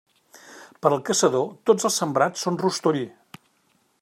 Per al caçador, tots els sembrats són rostoll.